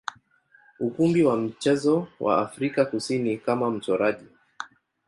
ukumbi wa michezo wa Afrika Kusini kama mchoraji.